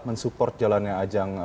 men support jalannya ajang